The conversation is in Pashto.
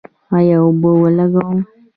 آیا اوبه ولګوو؟